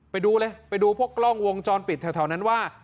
ไปดูเลยไปดูพวกกล้องวงจรปิดแถวนั้นว่า